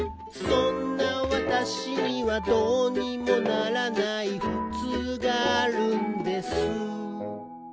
「そんな私には、どうにもならないふつうがあるんです」